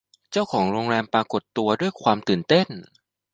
เจ้าของโรงแรมปรากฏตัวด้วยความตื่นเต้น